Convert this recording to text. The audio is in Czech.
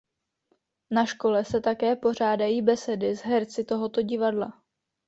Na škole se také pořádají besedy s herci tohoto divadla.